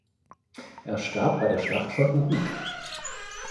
Er starb bei der Schlacht von Uhud.